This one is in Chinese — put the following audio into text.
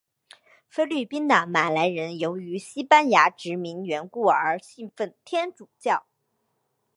菲律宾的马来人由于西班牙殖民缘故而信奉天主教。